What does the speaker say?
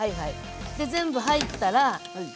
で全部入ったら。